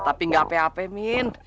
tapi gak ape ape min